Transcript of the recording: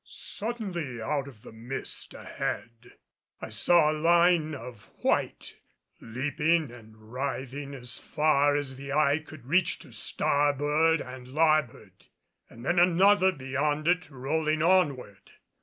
Suddenly out of the mist ahead I saw a line of white, leaping and writhing as far as the eye could reach to starboard and larboard; and then another beyond it, rolling onward.